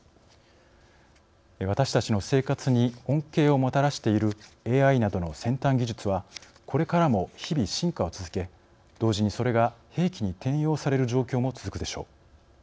私たちの生活に恩恵をもたらしているＡＩなどの先端技術はこれからも日々進化を続け同時にそれが兵器に転用される状況も続くでしょう。